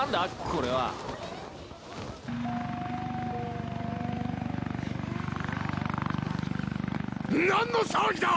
これは。何の騒ぎだ！？